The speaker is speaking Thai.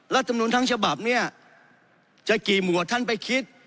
รัฐมนุนทั้งฉบับเนี่ยจะกี่หมวดท่านไปคิด